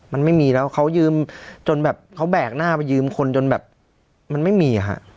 มันไม่มีแล้วเขาแบกหน้าไปยืมคนจนแบบมันไม่มีค่ะ